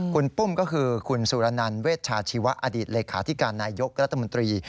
คุณปุ้มก็คือคุณสุรนันเวชชาชีวะอดีตเลขาธิการนายยกรัฐมนตรี